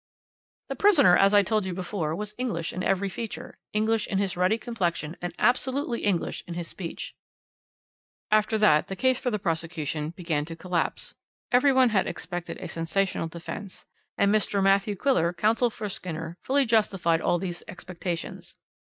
"The prisoner, as I told you before, was English in every feature. English in his ruddy complexion, and absolutely English in his speech. "After that the case for the prosecution began to collapse. Every one had expected a sensational defence, and Mr. Matthew Quiller, counsel for Skinner, fully justified all these expectations.